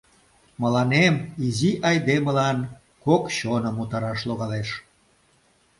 — Мыланем, изи айдемылан, кок чоным утараш логалеш.